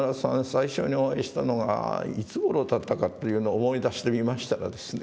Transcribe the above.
最初にお会いしたのがいつごろだったかというのを思い出してみましたらですね